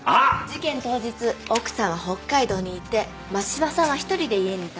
事件当日奥さんは北海道にいて真柴さんは一人で家にいたんです。